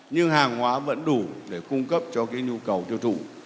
nhưng hàng hóa vẫn đủ để cung cấp cho cái nhu cầu